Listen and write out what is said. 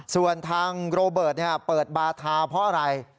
ส่วนทางโรเบิร์ตเปิดบาทาเพราะอะไร